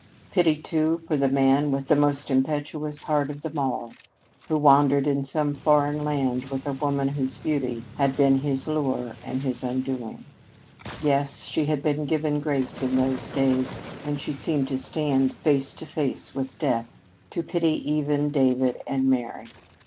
Pity, too, for the man with the most impetuous heart of them all, who wandered in some foreign land with a woman whose beauty had been his lure and his undoing. Yes, she had been given grace in those days, when she seemed to stand face to face with death, to pity even David and Mary!